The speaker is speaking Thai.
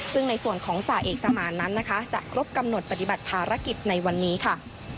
ซึ่งในส่วนของจ่าเอกสมานนั้นนะคะจะครบกำหนดปฏิบัติภารกิจในวันนี้ค่ะ